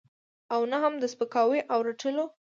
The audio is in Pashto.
او نه هم د سپکاوي او رټلو.